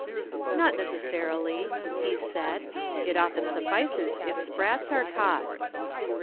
"Not necessarily," he said. "It often suffices if sprats are caught."